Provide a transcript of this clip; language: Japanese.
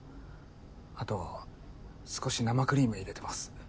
あと少し生クリーム入れてます。